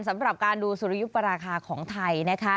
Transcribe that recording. สำหรับการดูสุริยุปราคาของไทยนะคะ